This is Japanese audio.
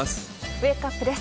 ウェークアップです。